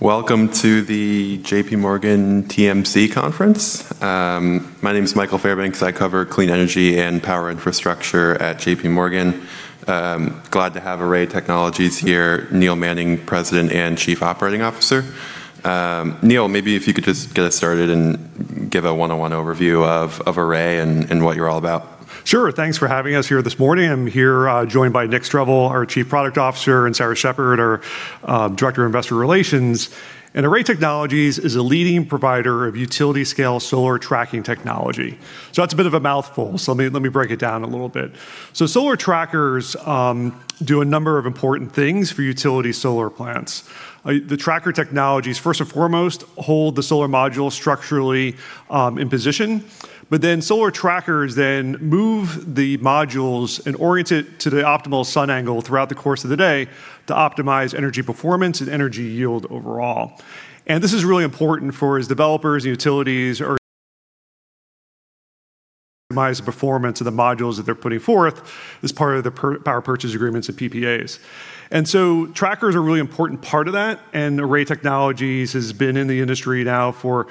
Welcome to the JPMorgan TMC conference. My name is Michael Fairbanks. I cover clean energy and power infrastructure at JPMorgan. Glad to have Array Technologies here. Neil Manning, President and Chief Operating Officer. Neil, maybe if you could just get us started and give a one-on-one overview of Array and what you're all about. Sure. Thanks for having us here this morning. I'm here, joined by Nick Strevel, our Chief Product Officer, and Sarah Shepherd, our Director of Investor Relations. Array Technologies is a leading provider of utility scale solar tracking technology. That's a bit of a mouthful, let me break it down a little bit. Solar trackers do a number of important things for utility solar plants. The tracker technologies, first and foremost, hold the solar module structurally in position, solar trackers then move the modules and orient it to the optimal sun angle throughout the course of the day to optimize energy performance and energy yield overall. This is really important for as developers and utilities optimize the performance of the modules that they're putting forth as part of the power purchase agreements and PPAs. Trackers are a really important part of that, and Array Technologies has been in the industry now for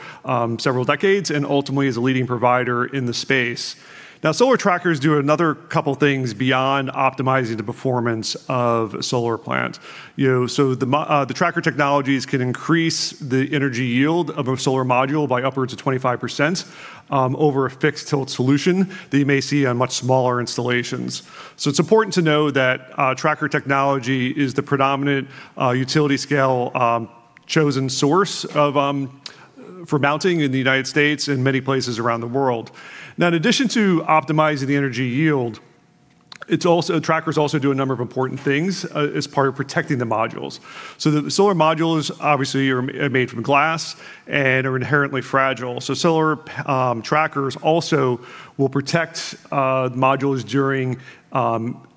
several decades and ultimately is a leading provider in the space. Now, solar trackers do another couple things beyond optimizing the performance of solar plants. You know, the tracker technologies can increase the energy yield of a solar module by upwards of 25% over a fixed tilt solution that you may see on much smaller installations. It's important to know that tracker technology is the predominant utility scale chosen source for mounting in the United States and many places around the world. Now, in addition to optimizing the energy yield, trackers also do a number of important things as part of protecting the modules. The solar modules obviously are made from glass and are inherently fragile. Solar trackers also will protect modules during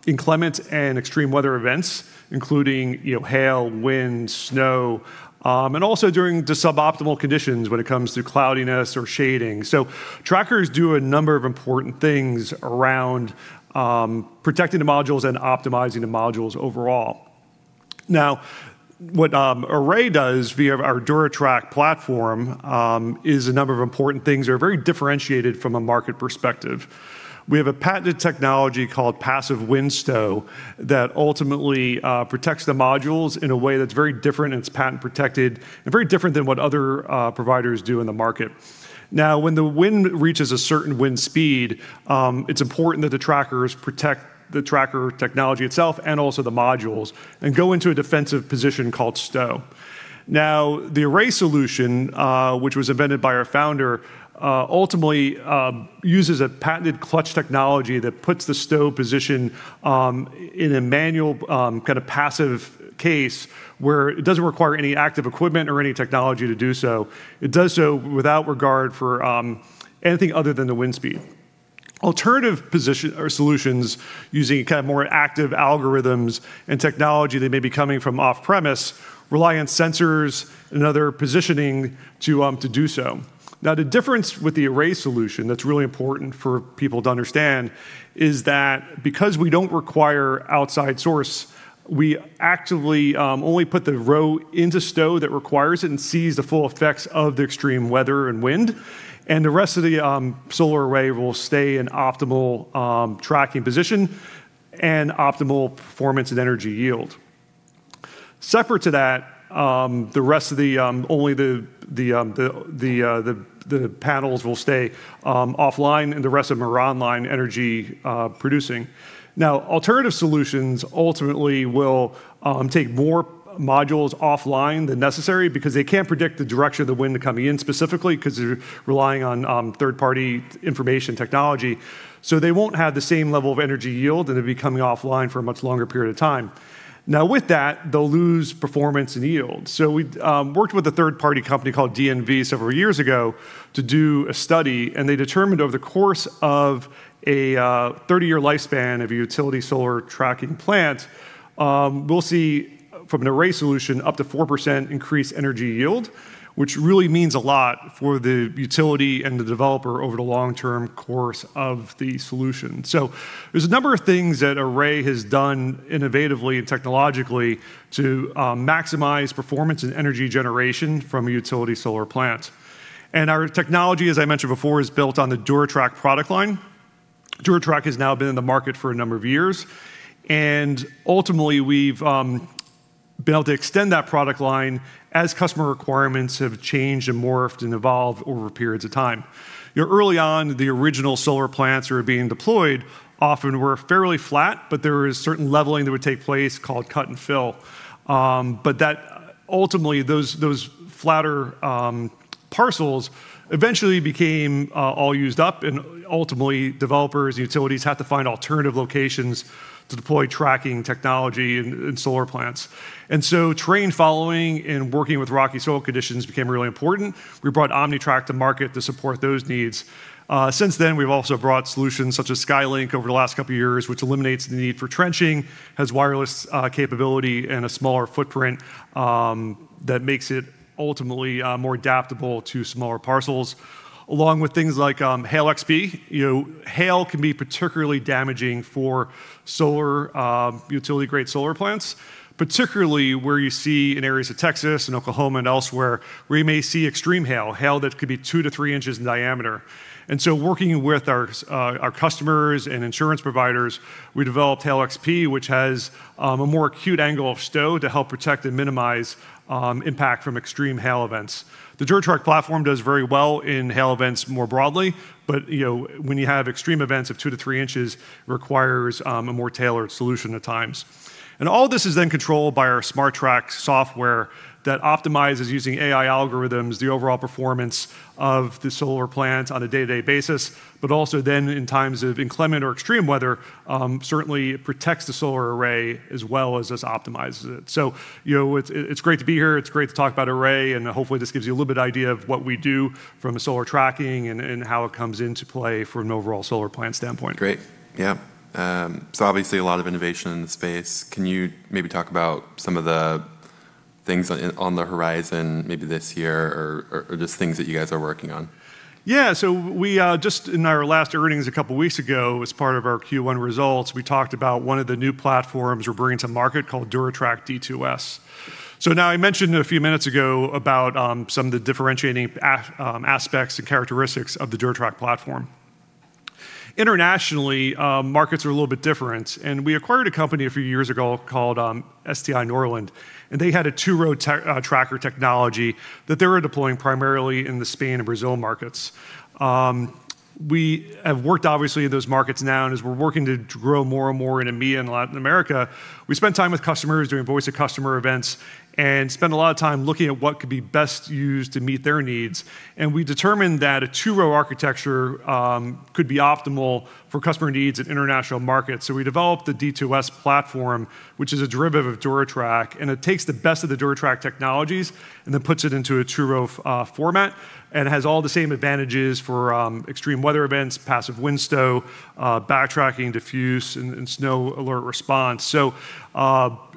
inclement and extreme weather events, including, you know, hail, wind, snow, and also during the suboptimal conditions when it comes to cloudiness or shading. Trackers do a number of important things around protecting the modules and optimizing the modules overall. Now, what Array does via our DuraTrack platform is a number of important things that are very differentiated from a market perspective. We have a patented technology called Passive Wind Stow that ultimately protects the modules in a way that's very different, and it's patent protected and very different than what other providers do in the market. When the wind reaches a certain wind speed, it's important that the trackers protect the tracker technology itself and also the modules and go into a defensive position called stow. The Array solution, which was invented by our founder, ultimately uses a patented clutch technology that puts the stow position in a manual, kind of passive case where it doesn't require any active equipment or any technology to do so. It does so without regard for anything other than the wind speed. Alternative position or solutions using kind of more active algorithms and technology that may be coming from off premise rely on sensors and other positioning to do so. Now, the difference with the Array solution that's really important for people to understand is that because we don't require outside source, we actively only put the row into stow that requires it and sees the full effects of the extreme weather and wind, and the rest of the solar array will stay in optimal tracking position and optimal performance and energy yield. Separate to that, the rest of the only the panels will stay offline and the rest of them are online energy producing. Alternative solutions ultimately will take more modules offline than necessary because they can't predict the direction of the wind coming in specifically because they're relying on third-party information technology, so they won't have the same level of energy yield, and they'd be coming offline for a much longer period of time. With that, they'll lose performance and yield. We worked with a third-party company called DNV several years ago to do a study, and they determined over the course of a 30-year lifespan of a utility solar tracking plant, we'll see from an Array solution up to 4% increased energy yield, which really means a lot for the utility and the developer over the long-term course of the solution. There's a number of things that Array has done innovatively and technologically to maximize performance and energy generation from a utility solar plant. Our technology, as I mentioned before, is built on the DuraTrack product line. DuraTrack has now been in the market for a number of years, and ultimately, we've been able to extend that product line as customer requirements have changed and morphed and evolved over periods of time. You know, early on, the original solar plants that were being deployed often were fairly flat, but there was certain leveling that would take place called cut and fill. But that ultimately, those flatter parcels eventually became all used up and ultimately developers, utilities had to find alternative locations to deploy tracking technology in solar plants. Terrain following and working with rocky soil conditions became really important. We brought OmniTrack to market to support those needs. Since then, we've also brought solutions such as SkyLink over the last couple years, which eliminates the need for trenching, has wireless capability and a smaller footprint that makes it ultimately more adaptable to smaller parcels, along with things like Hail-XP. You know, hail can be particularly damaging for solar, utility-grade solar plants, particularly where you see, in areas of Texas and Oklahoma and elsewhere, where you may see extreme hail that could be 2-3 in in diameter. Working with our customers and insurance providers, we developed Hail-XP, which has a more acute angle of stow to help protect and minimize impact from extreme hail events. The DuraTrack platform does very well in hail events more broadly, but you know, when you have extreme events of 2-3 in, requires a more tailored solution at times. All this is then controlled by our SmarTrack software that optimizes using AI algorithms the overall performance of the solar plant on a day-to-day basis, but also then in times of inclement or extreme weather, certainly protects the solar array as well as optimizes it. You know, it's great to be here, it's great to talk about Array, and hopefully this gives you a little bit of idea of what we do from a solar tracking and how it comes into play from an overall solar plant standpoint. Great. Yeah. Obviously a lot of innovation in the space. Can you maybe talk about some of the things on the horizon maybe this year or just things that you guys are working on? We, just in our last earnings a couple of weeks ago, as part of our Q1 results, we talked about one of the new platforms we're bringing to market called DuraTrack D2s. Now I mentioned a few minutes ago about some of the differentiating aspects and characteristics of the DuraTrack platform. Internationally, markets are a little bit different, and we acquired a company a few years ago called STI Norland, and they had a two-row tracker technology that they were deploying primarily in the Spain and Brazil markets. We have worked obviously in those markets now, and as we're working to grow more and more in EMEA and Latin America, we spend time with customers doing voice of customer events and spend a lot of time looking at what could be best used to meet their needs. We determined that a two-row architecture could be optimal for customer needs in international markets. We developed the D2s platform, which is a derivative of DuraTrack, and it takes the best of the DuraTrack technologies and then puts it into a two-row format and has all the same advantages for extreme weather events, Passive Wind Stow, backtracking, diffuse, and SmarTrack Automated Snow Response.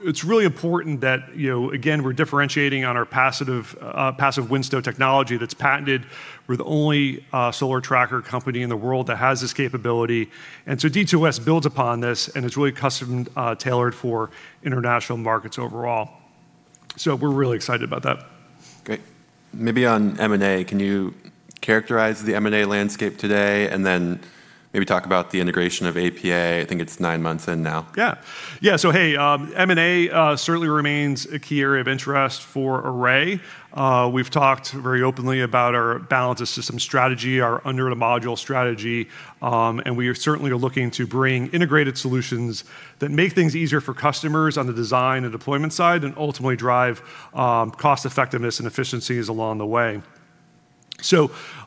It's really important that, you know, again, we're differentiating on our Passive Wind Stow technology that's patented. We're the only solar tracker company in the world that has this capability. D2s builds upon this and is really custom tailored for international markets overall. We're really excited about that. Great. Maybe on M&A, can you characterize the M&A landscape today and then maybe talk about the integration of APA? I think it's nine months in now. Yeah. Yeah, so hey, M&A certainly remains a key area of interest for Array. We've talked very openly about our balanced system strategy, our under module strategy, and we are certainly are looking to bring integrated solutions that make things easier for customers on the design and deployment side and ultimately drive, cost effectiveness and efficiencies along the way.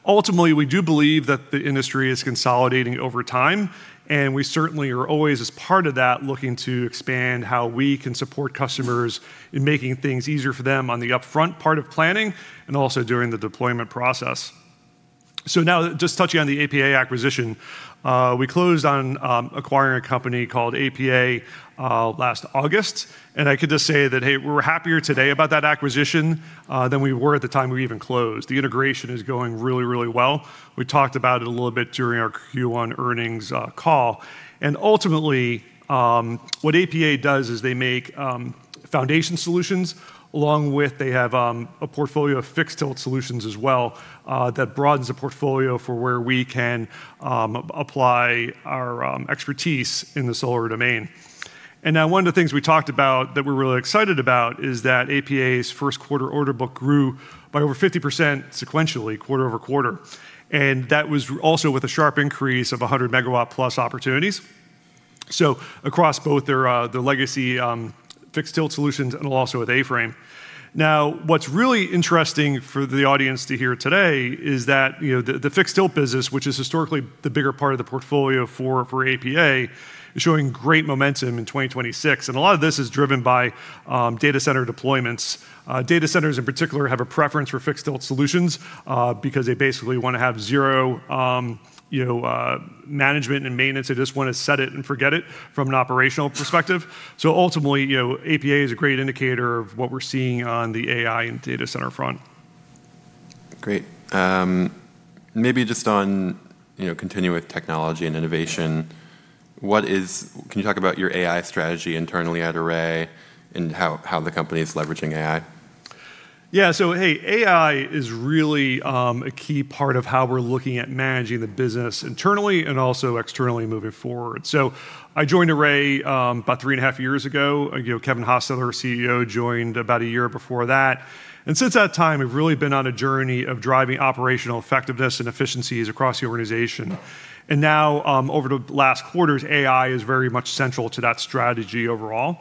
Ultimately, we do believe that the industry is consolidating over time, and we certainly are always as part of that, looking to expand how we can support customers in making things easier for them on the upfront part of planning and also during the deployment process. Now just touching on the APA acquisition, we closed on acquiring a company called APA last August, and I can just say that, hey, we're happier today about that acquisition than we were at the time we even closed. The integration is going really, really well. We talked about it a little bit during our Q1 earnings call. Ultimately, what APA does is they make foundation solutions along with they have a portfolio of fixed tilt solutions as well that broadens the portfolio for where we can apply our expertise in the solar domain. Now one of the things we talked about that we're really excited about is that APA's first quarter order book grew by over 50% sequentially quarter-over-quarter, and that was also with a sharp increase of 100 MW plus opportunities, so across both their legacy fixed tilt solutions and also with A-Frame. Now, what's really interesting for the audience to hear today is that, you know, the fixed tilt business, which is historically the bigger part of the portfolio for APA, is showing great momentum in 2026, and a lot of this is driven by data center deployments. Data centers in particular have a preference for fixed tilt solutions because they basically wanna have zero, you know, management and maintenance. They just wanna set it and forget it from an operational perspective. Ultimately, you know, APA is a great indicator of what we're seeing on the AI and data center front. Great. maybe just on, you know, continuing with technology and innovation, Can you talk about your AI strategy internally at Array and how the company is leveraging AI? Yeah. Hey, AI is really a key part of how we're looking at managing the business internally and also externally moving forward. I joined Array about three and a half years ago. You know, Kevin Hostetler, our CEO, joined about a year before that. Since that time, we've really been on a journey of driving operational effectiveness and efficiencies across the organization. Now, over the last quarters, AI is very much central to that strategy overall.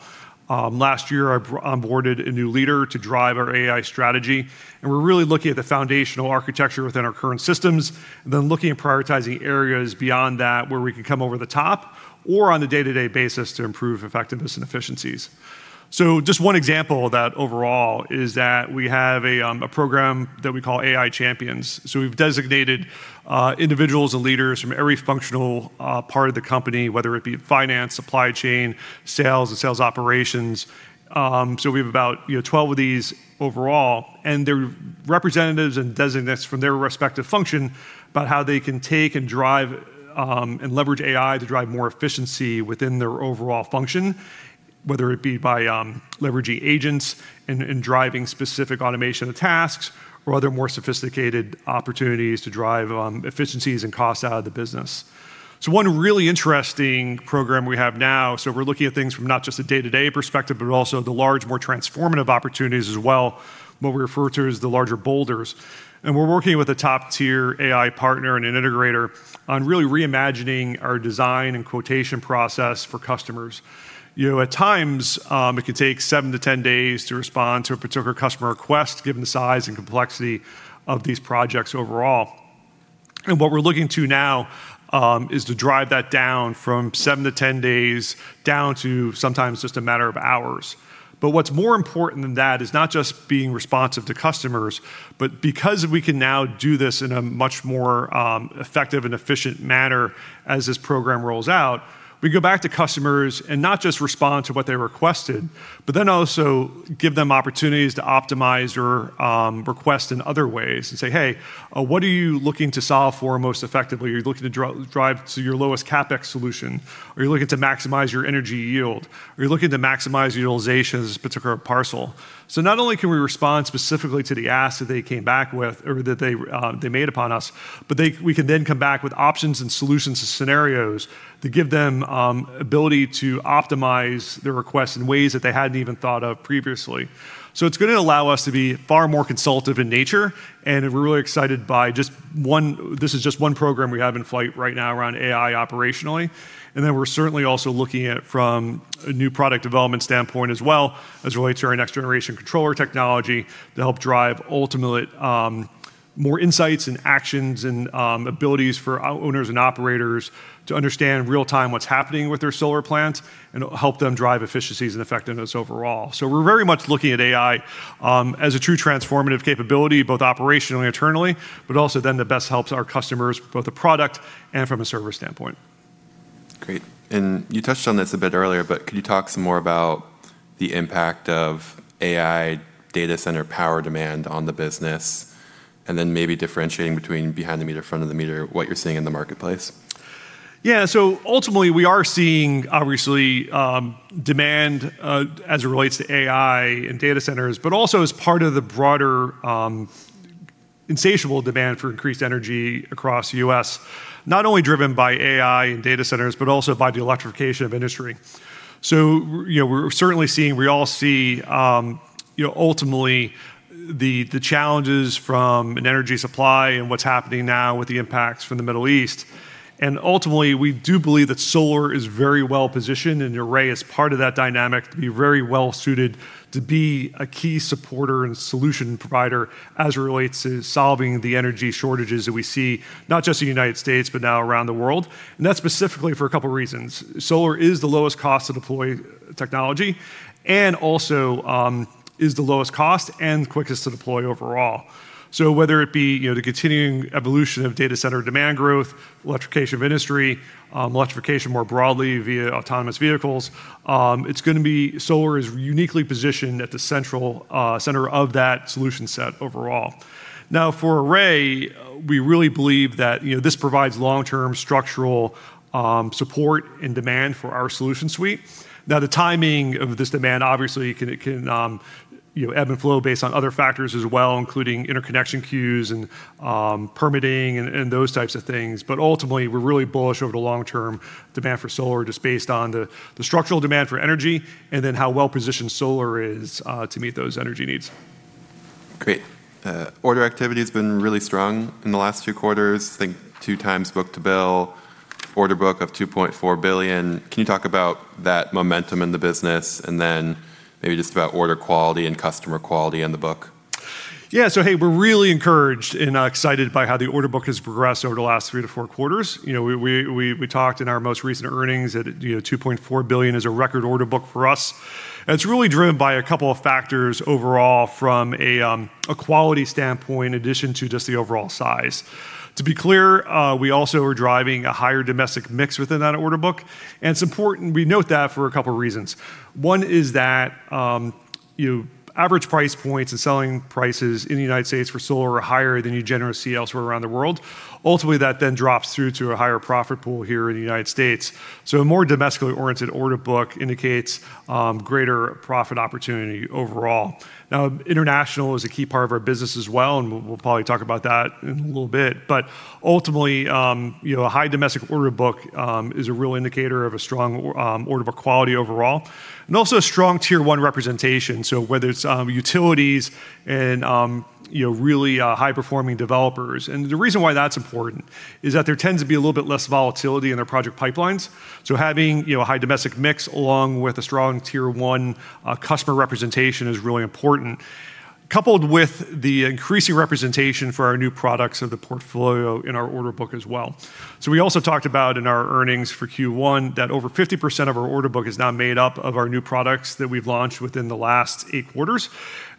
Last year, I onboarded a new leader to drive our AI strategy, we're really looking at the foundational architecture within our current systems, then looking at prioritizing areas beyond that where we can come over the top or on the day-to-day basis to improve effectiveness and efficiencies. Just one example of that overall is that we have a program that we call AI Champions. We've designated individuals and leaders from every functional part of the company, whether it be finance, supply chain, sales and sales operations. We have about, you know, 12 of these overall, and they're representatives and designees from their respective function about how they can take and drive and leverage AI to drive more efficiency within their overall function, whether it be by leveraging agents and driving specific automation of tasks or other more sophisticated opportunities to drive efficiencies and costs out of the business. One really interesting program we have now, so we're looking at things from not just a day-to-day perspective, but also the large, more transformative opportunities as well, what we refer to as the larger boulders, and we're working with a top-tier AI partner and an integrator on really reimagining our design and quotation process for customers. You know, at times, it could take 7-10 days to respond to a particular customer request given the size and complexity of these projects overall. What we're looking to now is to drive that down from 7-10 days down to sometimes just a matter of hours. What's more important than that is not just being responsive to customers, but because we can now do this in a much more effective and efficient manner as this program rolls out, we go back to customers and not just respond to what they requested, but then also give them opportunities to optimize or request in other ways and say, "Hey, what are you looking to solve for most effectively? Are you looking to drive to your lowest CapEx solution? Are you looking to maximize your energy yield? Are you looking to maximize utilization of this particular parcel? Not only can we respond specifically to the ask that they came back with or that they made upon us, but we can then come back with options and solutions to scenarios to give them ability to optimize their requests in ways that they hadn't even thought of previously. It's gonna allow us to be far more consultative in nature, and we're really excited b, this is just one program we have in flight right now around AI operationally, and then we're certainly also looking at it from a new product development standpoint as well as it relates to our next generation controller technology to help drive ultimately more insights and actions and abilities for owners and operators to understand real-time what's happening with their solar plants and help them drive efficiencies and effectiveness overall. We're very much looking at AI as a true transformative capability, both operationally and internally, but also then that best helps our customers, both the product and from a service standpoint. Great. You touched on this a bit earlier, but could you talk some more about the impact of AI data center power demand on the business, and then maybe differentiating between behind the meter, front of the meter, what you're seeing in the marketplace? Ultimately, we are seeing obviously demand as it relates to AI and data centers, but also as part of the broader insatiable demand for increased energy across U.S., not only driven by AI and data centers, but also by the electrification of industry. We're certainly we all see ultimately the challenges from an energy supply and what's happening now with the impacts from the Middle East. Ultimately, we do believe that solar is very well positioned, and Array is part of that dynamic to be very well suited to be a key supporter and solution provider as it relates to solving the energy shortages that we see, not just in the United States, but now around the world. That's specifically for a couple reasons. Solar is the lowest cost to deploy technology and also is the lowest cost and quickest to deploy overall. Whether it be, you know, the continuing evolution of data center demand growth, electrification of industry, electrification more broadly via autonomous vehicles, Solar is uniquely positioned at the central center of that solution set overall. For Array, we really believe that, you know, this provides long-term structural support and demand for our solution suite. The timing of this demand, obviously, it can, you know, ebb and flow based on other factors as well, including interconnection queues and permitting and those types of things. Ultimately, we're really bullish over the long-term demand for solar just based on the structural demand for energy and then how well-positioned solar is to meet those energy needs. Great. Order activity has been really strong in the last two quarters. I think 2x book-to-bill, order book of $2.4 billion. Can you talk about that momentum in the business, and then maybe just about order quality and customer quality in the book? Yeah. Hey, we're really encouraged and excited by how the order book has progressed over the last three to four quarters. You know, we talked in our most recent earnings that, you know, $2.4 billion is a record order book for us. It's really driven by a couple of factors overall from a quality standpoint in addition to just the overall size. To be clear, we also are driving a higher domestic mix within that order book, and it's important we note that for a couple reasons. One is that, you know, average price points and selling prices in the United States for solar are higher than you generally see elsewhere around the world. Ultimately, that then drops through to a higher profit pool here in the United States. A more domestically oriented order book indicates greater profit opportunity overall. Now, international is a key part of our business as well, and we'll probably talk about that in a little bit. Ultimately, you know, a high domestic order book is a real indicator of a strong order book quality overall, and also a strong tier one representation. Whether it's utilities and, you know, really, high performing developers. The reason why that's important is that there tends to be a little bit less volatility in their project pipelines. Having, you know, a high domestic mix along with a strong tier one customer representation is really important, coupled with the increasing representation for our new products of the portfolio in our order book as well. We also talked about in our earnings for Q1 that over 50% of our order book is now made up of our new products that we've launched within the last eight quarters.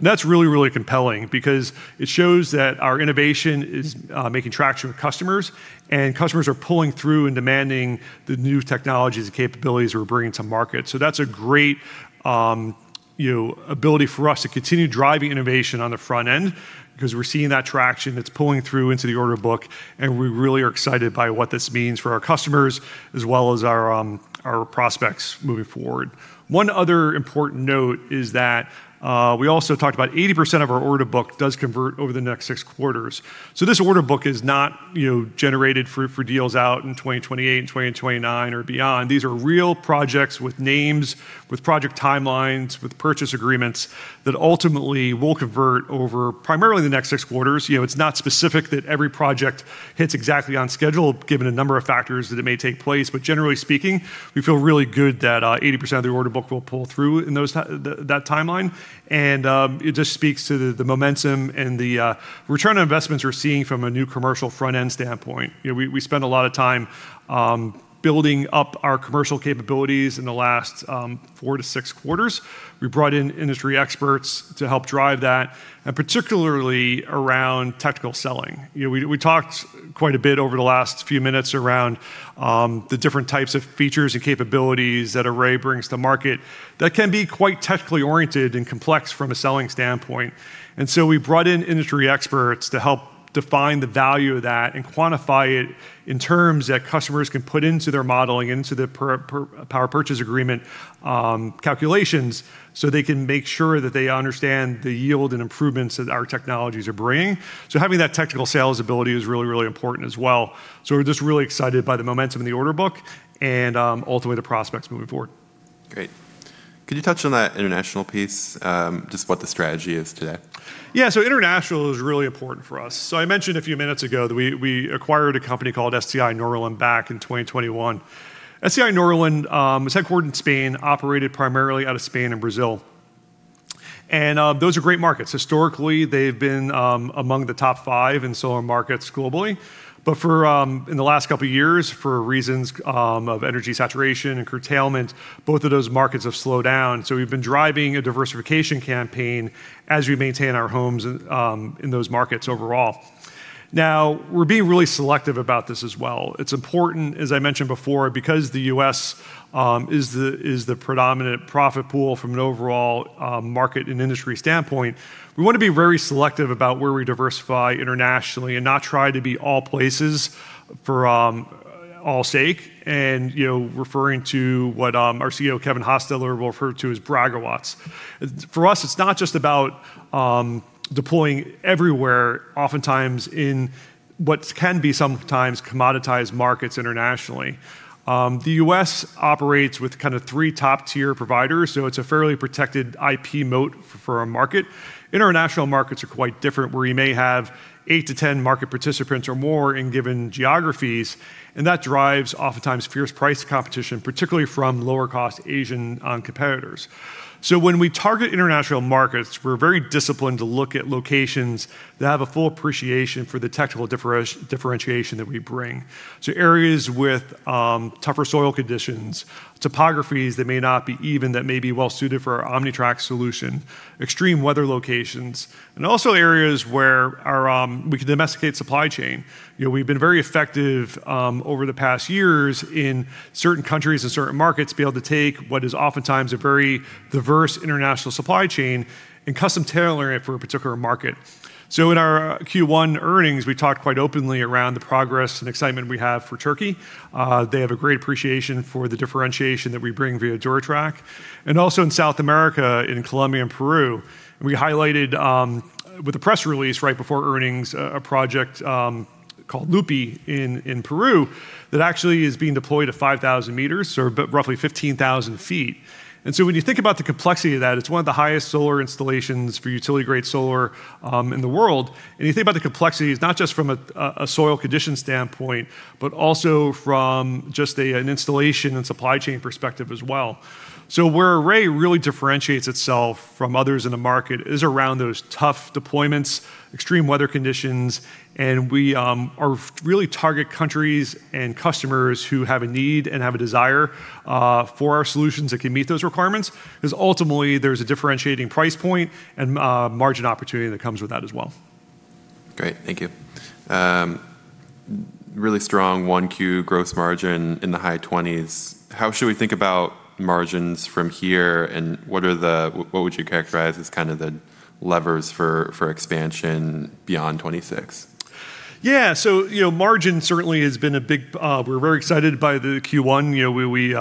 That's really, really compelling because it shows that our innovation is making traction with customers, and customers are pulling through and demanding the new technologies and capabilities we're bringing to market. That's a great, you know, ability for us to continue driving innovation on the front end because we're seeing that traction that's pulling through into the order book, and we really are excited by what this means for our customers as well as our prospects moving forward. One other important note is that we also talked about 80% of our order book does convert over the next six quarters. This order book is not, you know, generated for deals out in 2028 and 2029 or beyond. These are real projects with names, with project timelines, with purchase agreements that ultimately will convert over primarily the next six quarters. You know, it's not specific that every project hits exactly on schedule, given a number of factors that it may take place. Generally speaking, we feel really good that 80% of the order book will pull through in that timeline. It just speaks to the momentum and the return on investments we're seeing from a new commercial front-end standpoint. You know, we spent a lot of time building up our commercial capabilities in the last four to six quarters. We brought in industry experts to help drive that, and particularly around technical selling. You know, we talked quite a bit over the last few minutes around the different types of features and capabilities that Array brings to market that can be quite technically oriented and complex from a selling standpoint. We brought in industry experts to help define the value of that and quantify it in terms that customers can put into their modeling, into the power purchase agreement calculations, so they can make sure that they understand the yield and improvements that our technologies are bringing. Having that technical sales ability is really important as well. We're just really excited by the momentum in the order book and ultimately the prospects moving forward. Great. Could you touch on that international piece, just what the strategy is today? Yeah. International is really important for us. I mentioned a few minutes ago that we acquired a company called STI Norland back in 2021. STI Norland is headquartered in Spain, operated primarily out of Spain and Brazil, and those are great markets. Historically, they've been among the top five in solar markets globally. For in the last couple of years, for reasons of energy saturation and curtailment, both of those markets have slowed down. We've been driving a diversification campaign as we maintain our homes in those markets overall. Now, we're being really selective about this as well. It's important, as I mentioned before, because the U.S. is the predominant profit pool from an overall market and industry standpoint. We want to be very selective about where we diversify internationally and not try to be all places for all sake. You know, referring to what our CEO, Kevin Hostetler, will refer to as braggawatts. For us, it's not just about deploying everywhere, oftentimes in what can be sometimes commoditized markets internationally. The U.S. operates with kind of three top-tier providers, so it's a fairly protected IP moat for our market. International markets are quite different, where you may have 8-10 market participants or more in given geographies, and that drives oftentimes fierce price competition, particularly from lower cost Asian competitors. When we target international markets, we're very disciplined to look at locations that have a full appreciation for the technical differentiation that we bring. Areas with tougher soil conditions, topographies that may not be even, that may be well suited for our OmniTrack solution, extreme weather locations, and also areas where our we can domesticate supply chain. You know, we've been very effective over the past years in certain countries and certain markets to be able to take what is oftentimes a very diverse international supply chain and custom tailoring it for a particular market. In our Q1 earnings, we talked quite openly around the progress and excitement we have for Turkey. They have a great appreciation for the differentiation that we bring via DuraTrack. Also in South America, in Colombia and Peru, we highlighted with a press release right before earnings, a project called Lupi in Peru that actually is being deployed at 5,000 m or roughly 15,000 ft. When you think about the complexity of that, it's one of the highest solar installations for utility grade solar in the world. You think about the complexities, not just from a soil condition standpoint, but also from just an installation and supply chain perspective as well. Where Array really differentiates itself from others in the market is around those tough deployments, extreme weather conditions, and we really target countries and customers who have a need and have a desire for our solutions that can meet those requirements. Ultimately, there's a differentiating price point and margin opportunity that comes with that as well. Great. Thank you. Really strong 1Q gross margin in the high 20s. How should we think about margins from here, and what would you characterize as kinda the levers for expansion beyond 2026? Yeah. You know, margin certainly has been a big. We're very excited by the Q1. You know, we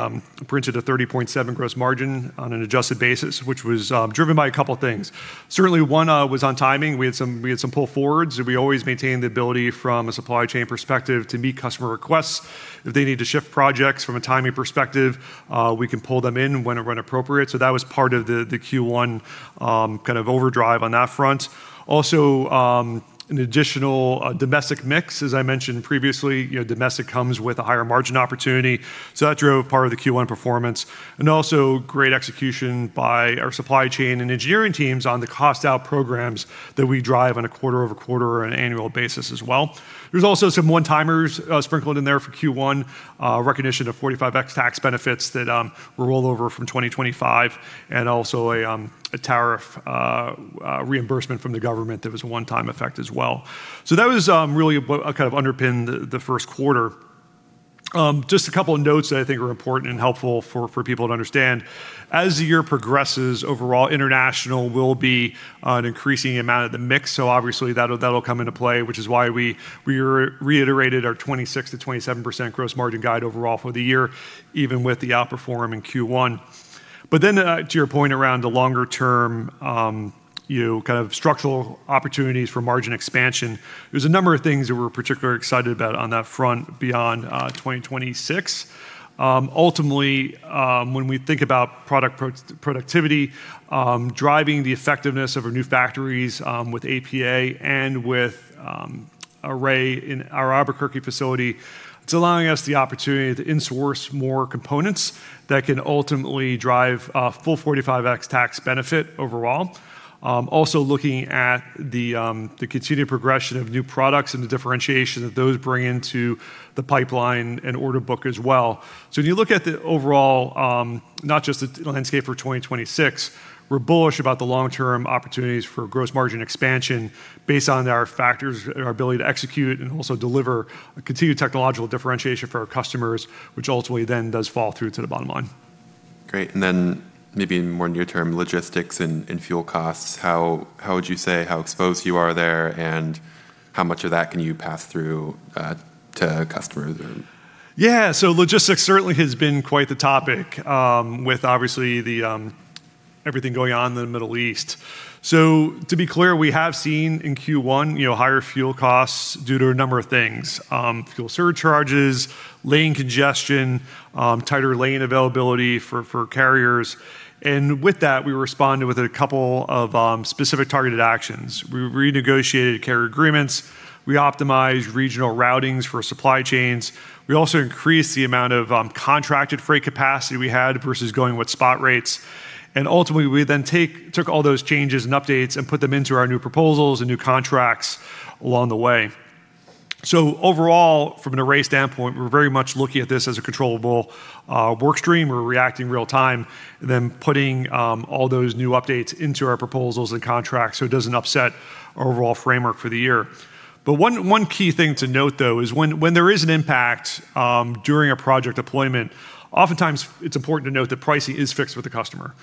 printed a 30.7 gross margin on an adjusted basis, which was driven by a couple of things. Certainly, one was on timing. We had some pull forwards, and we always maintain the ability from a supply chain perspective to meet customer requests. If they need to shift projects from a timing perspective, we can pull them in when appropriate. That was part of the Q1 kind of overdrive on that front. Also, an additional domestic mix, as I mentioned previously. You know, domestic comes with a higher margin opportunity, so that drove part of the Q1 performance. Also great execution by our supply chain and engineering teams on the cost out programs that we drive on a quarter-over-quarter or an annual basis as well. There's also some one-timers sprinkled in there for Q1. Recognition of Section 45X tax benefits that were rolled over from 2025 and also a tariff reimbursement from the government that was a one-time effect as well. That was really what kind of underpinned the first quarter. Just a couple of notes that I think are important and helpful for people to understand. As the year progresses, overall international will be an increasing amount of the mix, obviously that'll come into play, which is why we reiterated our 26%-27% gross margin guide overall for the year, even with the outperformance in Q1. To your point around the longer term, you know, kind of structural opportunities for margin expansion, there's a number of things that we're particularly excited about on that front beyond 2026. Ultimately, when we think about product productivity, driving the effectiveness of our new factories, with APA and with Array in our Albuquerque facility, it's allowing us the opportunity to in-source more components that can ultimately drive full 45X tax benefit overall. Also looking at the continued progression of new products and the differentiation that those bring into the pipeline and order book as well. When you look at the overall, not just the landscape for 2026, we're bullish about the long-term opportunities for gross margin expansion based on our factors and our ability to execute and also deliver a continued technological differentiation for our customers, which ultimately then does fall through to the bottom line. Great. Then maybe in more near term logistics and fuel costs, how would you say how exposed you are there, and how much of that can you pass through to customers or? Yeah. Logistics certainly has been quite the topic, with obviously the everything going on in the Middle East. To be clear, we have seen in Q1, you know, higher fuel costs due to a number of things. Fuel surcharges, lane congestion, tighter lane availability for carriers. With that, we responded with a couple of specific targeted actions. We renegotiated carrier agreements. We optimized regional routings for supply chains. We also increased the amount of contracted freight capacity we had versus going with spot rates. Ultimately, we then took all those changes and updates and put them into our new proposals and new contracts along the way. Overall, from an Array standpoint, we're very much looking at this as a controllable, work stream. We're reacting real time, then putting all those new updates into our proposals and contracts so it doesn't upset our overall framework for the year. One key thing to note, though, is when there is an impact during a project deployment, oftentimes it's important to note that pricing is fixed with the customer.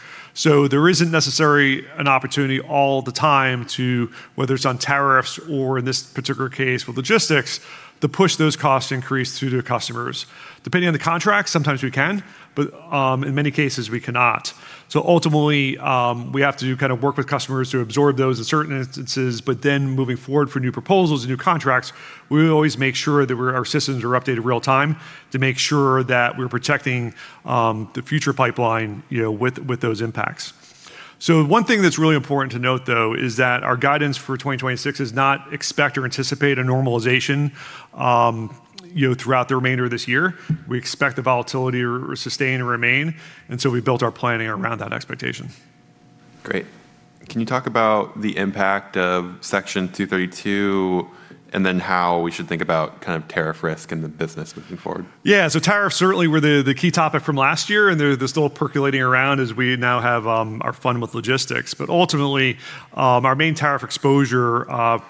There isn't necessarily an opportunity all the time to, whether it's on tariffs or in this particular case with logistics, to push those cost increases through to customers. Depending on the contract, sometimes we can, but in many cases we cannot. Ultimately, we have to kind of work with customers to absorb those in certain instances, moving forward for new proposals and new contracts, we always make sure that our systems are updated real time to make sure that we're protecting, the future pipeline, you know, with those impacts. One thing that's really important to note, though, is that our guidance for 2026 is not expect or anticipate a normalization, you know, throughout the remainder of this year. We expect the volatility to sustain and remain, we built our planning around that expectation. Great. Can you talk about the impact of Section 232 and then how we should think about kind of tariff risk in the business moving forward? Yeah. Tariffs certainly were the key topic from last year, and they're still percolating around as we now have our fun with logistics. Ultimately, our main tariff exposure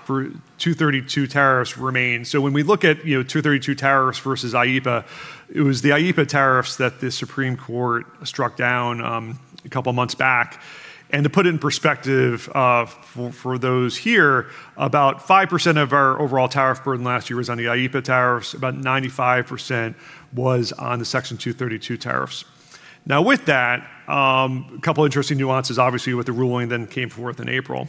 for Section 232 tariffs remains. When we look at, you know, Section 232 tariffs versus IEEPA, it was the IEEPA tariffs that the Supreme Court struck down a couple of months back. To put it in perspective, for those here, about 5% of our overall tariff burden last year was on the IEEPA tariffs. About 95% was on the Section 232 tariffs. With that, a couple interesting nuances, obviously, with the ruling then came forth in April,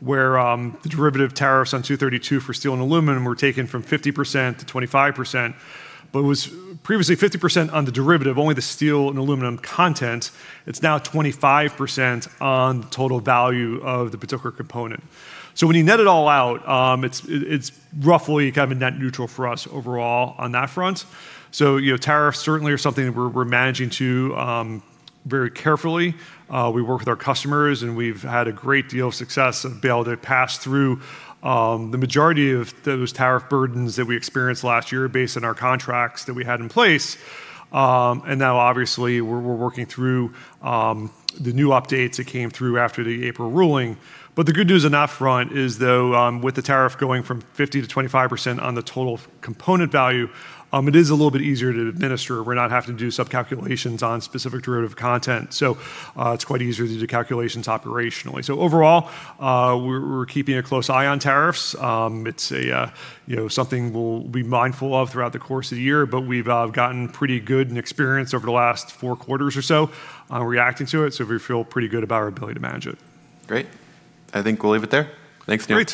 where the derivative tariffs on 232 for steel and aluminum were taken from 50%-25%. It was previously 50% on the derivative, only the steel and aluminum content. It's now 25% on the total value of the particular component. When you net it all out, it's roughly kind of a net neutral for us overall on that front. You know, tariffs certainly are something that we're managing to very carefully. We work with our customers, and we've had a great deal of success and been able to pass through the majority of those tariff burdens that we experienced last year based on our contracts that we had in place. Now obviously we're working through the new updates that came through after the April ruling. The good news on that front is, though, with the tariff going from 50%-25% on the total component value, it is a little bit easier to administer. We're not having to do sub-calculations on specific derivative content. It's quite easier to do calculations operationally. Overall, we're keeping a close eye on tariffs. It's a, you know, something we'll be mindful of throughout the course of the year, but we've gotten pretty good and experienced over the last four quarters or so on reacting to it, so we feel pretty good about our ability to manage it. Great. I think we'll leave it there. Thanks, Neil. Thanks.